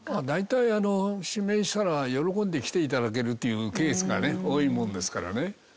大体指名したら喜んで来て頂けるというケースがね多いものですからね。